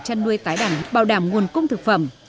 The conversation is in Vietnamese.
chăn nuôi tái đẳng bảo đảm nguồn cung thực phẩm